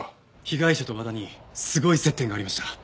被害者と和田にすごい接点がありました。